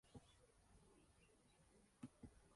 Los costos fijos deben ser considerados en forma separada.